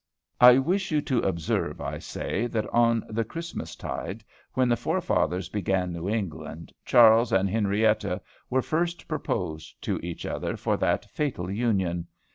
[A] I wish you to observe, I say, that on the Christmas tide, when the Forefathers began New England, Charles and Henrietta were first proposed to each other for that fatal union.